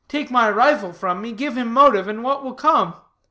Take my rifle from me, give him motive, and what will come?